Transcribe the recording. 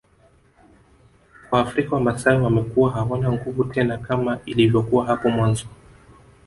kwa Afrika wamasai wamekuwa hawana nguvu tena kama ilivyokuwa hapo mwanzo